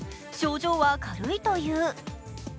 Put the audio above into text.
症状は軽いという。